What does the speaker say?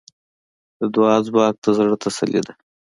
د دعا ځواک د زړۀ تسلي ده.